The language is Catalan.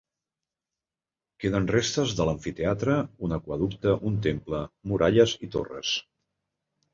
Queden restes de l'amfiteatre, un aqüeducte, un temple, muralles i torres.